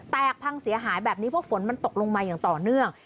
พังเสียหายแบบนี้เพราะฝนมันตกลงมาอย่างต่อเนื่อง